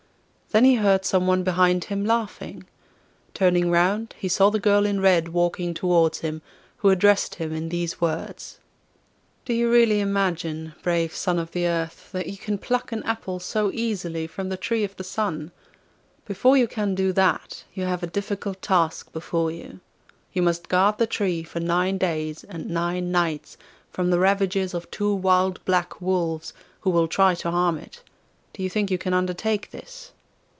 Then he heard some one behind him laughing. Turning round, he saw the girl in red walking towards him, who addressed him in these words: 'Do you really imagine, brave son of the earth, that you can pluck an apple so easily from the Tree of the Sun? Before you can do that, you have a difficult task before you. You must guard the tree for nine days and nine nights from the ravages of two wild black wolves, who will try to harm it. Do you think you can undertake this?